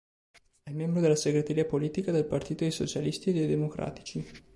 È membro della segreteria politica del Partito dei Socialisti e dei Democratici.